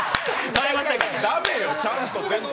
駄目よちゃんと。